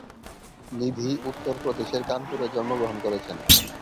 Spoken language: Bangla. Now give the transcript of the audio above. নিধি উত্তর প্রদেশের কানপুরে জন্মগ্রহণ করেছেন।